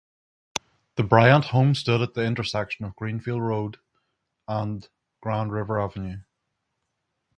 The Bryant home stood at the intersection of Greenfield Road and Grand River Avenue.